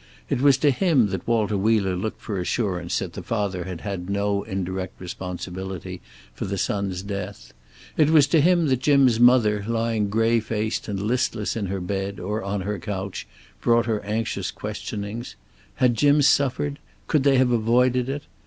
It was to him that Walter Wheeler looked for assurance that the father had had no indirect responsibility for the son's death; it was to him that Jim's mother, lying gray faced and listless in her bed or on her couch, brought her anxious questionings. Had Jim suffered? Could they have avoided it?